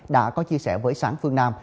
đã có chia sẻ với sản phương nam